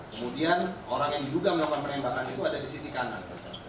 kemudian orang yang diduga melakukan penembakan itu ada di sisi kanan